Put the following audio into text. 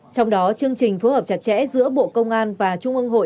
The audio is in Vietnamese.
trong đó chương trình phối hợp chặt chẽ giữa bộ công an và trung ương hội